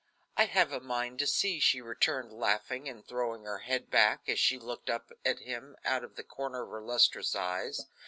"I have a mind to see," she returned, laughing and throwing her head back, as she looked up at him out of the corner of her lustrous eyes.